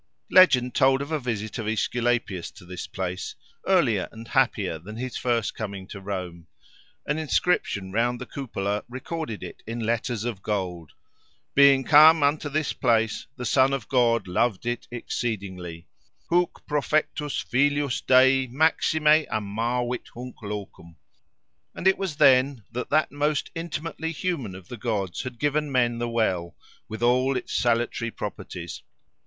Legend told of a visit of Aesculapius to this place, earlier and happier than his first coming to Rome: an inscription around the cupola recorded it in letters of gold. "Being come unto this place the son of God loved it exceedingly:"—Huc profectus filius Dei maxime amavit hunc locum;—and it was then that that most intimately human of the gods had given men the well, with all its salutary properties.